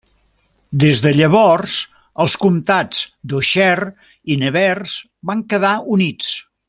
Des de llavors els comtats d'Auxerre i Nevers van quedar units.